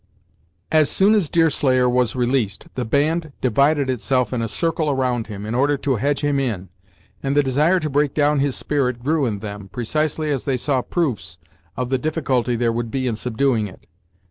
As soon as Deerslayer was released, the band divided itself in a circle around him, in order to hedge him in, and the desire to break down his spirit grew in them, precisely as they saw proofs of the difficulty there would be in subduing it.